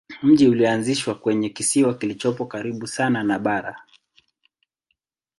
Mji ulianzishwa kwenye kisiwa kilichopo karibu sana na bara.